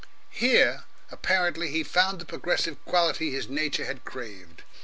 Here, apparently, he found the progressive quality his nature had craved.